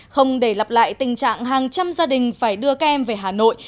không để lặp lại tình trạng hàng trăm gia đình phải đưa các em về hà nội